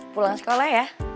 pulang sekolah ya